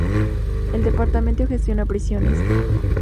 El departamento gestiona prisiones.